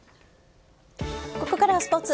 ここからはスポーツ。